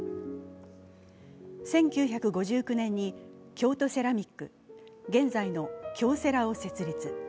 １９５９年に京都セラミック、現在の京セラを設立。